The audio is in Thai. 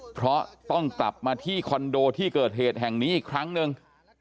เพราะต้องกลับมาที่คอนโดที่เกิดเหตุแห่งนี้อีกครั้งหนึ่ง